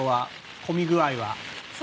混み具合は。